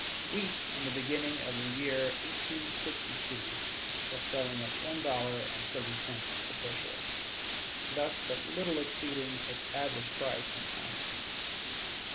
Wheat, in the beginning of the year 1862, was selling at one dollar and thirty cents per bushel, thus but little exceeding its average price in time of peace.